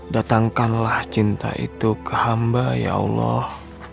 datangkanlah cinta itu ke hamba ya allah